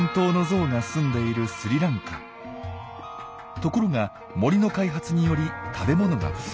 ところが森の開発により食べ物が不足。